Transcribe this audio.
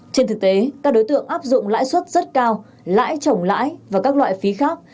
trên thực tế các đối tượng áp dụng lãi suất rất cao lãi trồng lãi và các loại phí khác